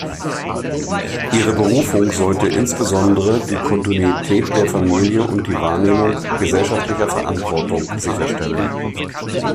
Ihre Berufung sollte insbesondere die Kontinuität der Familie und die Wahrnehmung gesellschaftlicher Verantwortung sicherstellen.